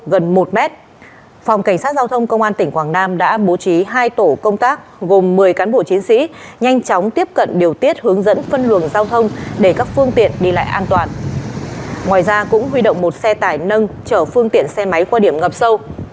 đội cảnh sát điều tra điều tra điều tra điều tra điều tra điều tra điều tra điều tra điều tra ngoài ra cũng huy động một xe tải nâng chở phương tiện xe máy qua điểm ngập sâu